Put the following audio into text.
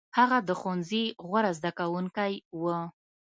هغه د ښوونځي غوره زده کوونکی و.